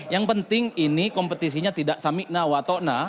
yang penting ini kompetisinya tidak samikna watokna